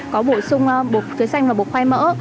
có bổ sung bột chuối xanh và bột khoai mỡ